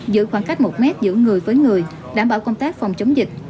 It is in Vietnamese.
giữ khoảng cách một mét giữa người với người đảm bảo công tác phòng chống dịch